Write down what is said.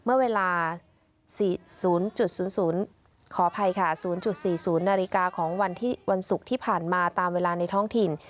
เมื่อเวลา๔๐๐ขออภัยค่ะ๐๔๐นาฬิกาของวันศุกร์ที่ผ่านมาตามเวลาในท้องถิ่น